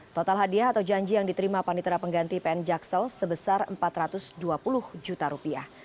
total hadiah atau janji yang diterima panitera pengganti pn jaksel sebesar empat ratus dua puluh juta rupiah